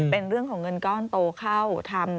เป็นเรื่องของเงินก้อนโตเข้าทำ